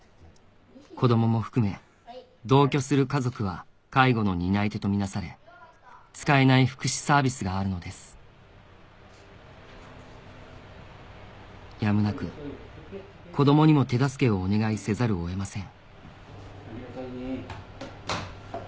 子どもも含め同居する家族は介護の担い手と見なされ使えない福祉サービスがあるのですやむなく子どもにも手助けをお願いせざるを得ません